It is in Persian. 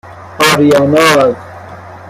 آریاناز